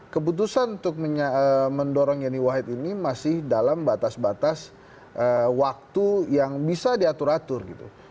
keputusan untuk mendorong yeni wahid ini masih dalam batas batas waktu yang bisa diatur atur gitu